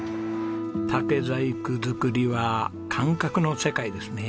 竹細工作りは感覚の世界ですね。